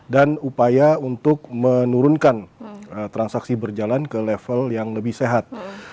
dan upaya untuk menurunkan transaksi berjalan ke level yang lebih sehat